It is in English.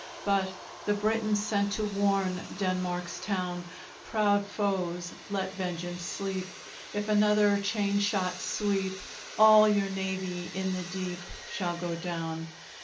But the Britons sent to warn Denmark's town; Proud foes, let vengeance sleep; If another chain shot sweep, All your navy in the deep Shall go down!